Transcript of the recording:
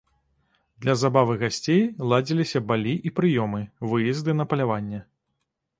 Для забавы гасцей ладзіліся балі і прыёмы, выезды на паляванне.